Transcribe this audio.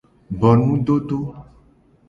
Bo nudodo.